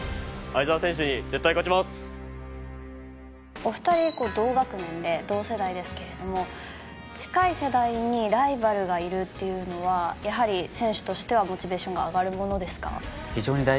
お二人、同学年で同世代ですけど、近い世代にライバルがいるというのは、やはり選手としてはモチベーションが上がるものですか？